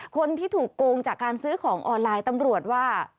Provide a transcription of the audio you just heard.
คนที่ถูกโกงจากการซื้อของออนไลน์ตำรวจว่า